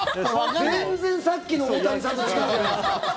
全然さっきの大谷さんと違うじゃないですか。